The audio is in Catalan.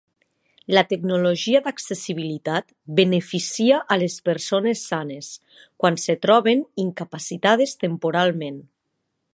La tecnologia d'accessibilitat beneficia a les persones sanes, quan es troben incapacitades temporalment.